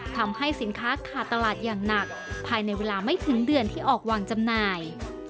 ทำให้สินค้าขาดตลาดอย่างหนักภายในเวลาไม่ถึงเดือนที่ออกวางจำหน่าย